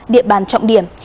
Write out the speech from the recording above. địa bàn trọng điểm